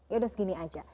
ya udah segini aja